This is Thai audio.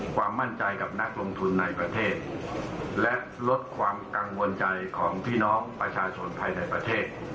ความมั่นใจกับนักลงทุนในประเทศและลดความกังวลใจของพี่น้องประชาชนภายในประเทศ